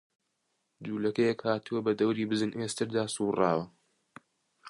جوولەکەیەک هاتووە، بە دەوری بزن ئێستردا سووڕاوە